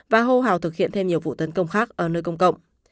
và hô hào thực hiện thêm nhiều vụ tấn công khác ở nơi công cộng